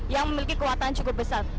yang memiliki kekuatan cukup besar